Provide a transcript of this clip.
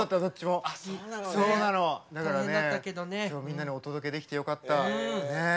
だからね、みんなにお届けできてよかった。